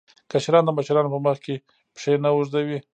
کشران د مشرانو په مخ کې پښې نه اوږدوي.